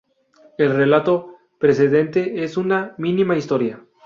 El relato precedente es una "mínima historia".